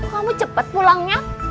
kamu cepet pulangnya